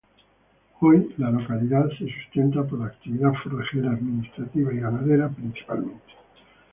Hoy la localidad se sustenta por la actividad forrajera, administrativa y ganadera principalmente.